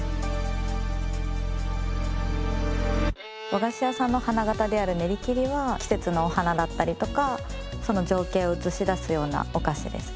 和菓子屋さんの花形である練り切りは季節のお花だったりとかその情景を映し出すようなお菓子です。